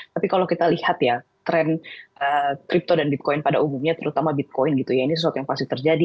tapi kalau kita lihat ya tren crypto dan bitcoin pada umumnya terutama bitcoin gitu ya ini sesuatu yang pasti terjadi